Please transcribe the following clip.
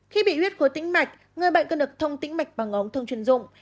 khi bị huyết khối tinh mạch người bệnh cần được thông tinh mạch bằng ống thông chuyên dụng